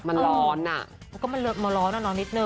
มันร้อนน่ะก็มันมันร้อนน่ะนอนนิดนึง